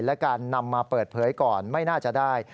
และการนำมาเปิดเผยก่อนไม่น่าจะได้